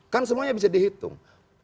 kan semuanya bisa dihitung